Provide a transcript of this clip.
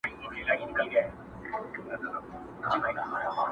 هغه له پاڼو تشه توره ونه.!